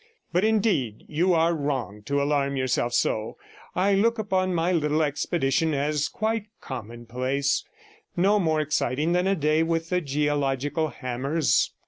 But, indeed, you are wrong to alarm yourself so; I look upon my little expedition as quite commonplace; no more exciting than a day with the geological hammers.